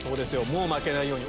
もう負けないように。